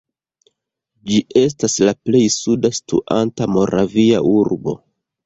Ĝi estas la plej suda situanta moravia urbo.